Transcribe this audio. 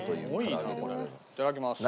いただきます。